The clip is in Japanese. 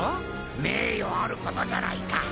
名誉あることじゃないか。